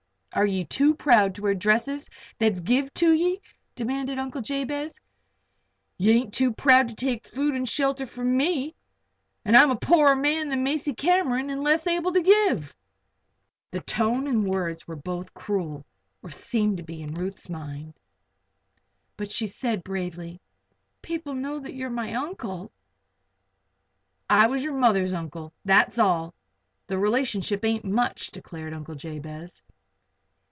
"Are ye too proud to wear dresses that's give to ye?" demanded Uncle Jabez. "Ye ain't too proud to take food and shelter from me. And I'm a poorer man than Macy Cameron an' less able to give." The tone and the words were both cruel or seemed to be to Ruth's mind. But she said, bravely: "People know that you're my uncle " "I was yer mother's uncle; that's all. The relationship ain't much," declared Uncle Jabez.